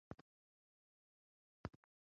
هندوکش د افغانانو د تفریح یوه وسیله ده.